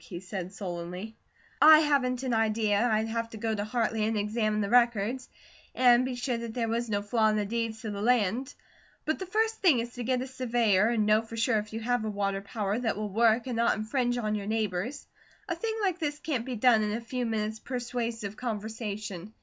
he said sullenly. "I haven't an idea. I'd have to go the Hartley and examine the records and be sure that there was no flaw in the deeds to the land; but the first thing is to get a surveyor and know for sure if you have a water power that will work and not infringe on your neighbours. A thing like this can't be done in a few minutes' persuasive conversation.